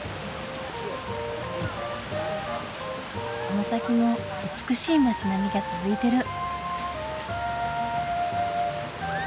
この先も美しい町並みが続いてる。